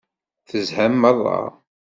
Tezham meṛṛa.